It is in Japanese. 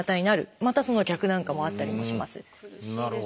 またその逆なんかもあったりもします。